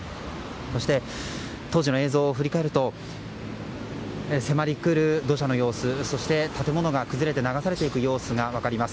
そして当時の映像を振り返ると迫りくる土砂の様子そして建物が崩れて流されていく様子が分かります。